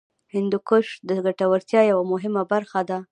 هندوکش د ګټورتیا یوه مهمه برخه ده.